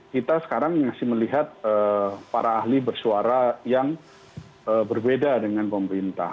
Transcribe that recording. kita sekarang masih melihat para ahli bersuara yang berbeda dengan pemerintah